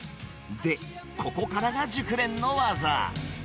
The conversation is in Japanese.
で、ここからが熟練の技。